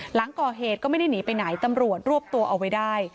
หลังก่อเหตุก็ไม่ได้หนีไปไหนตำรวจรวบตัวเอาไว้ได้